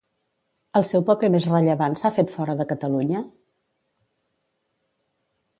El seu paper més rellevant s'ha fet fora de Catalunya?